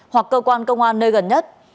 hoặc cơ quan công an nơi gần nhất